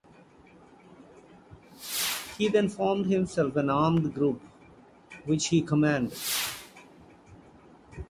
He then formed himself an armed group which he commanded.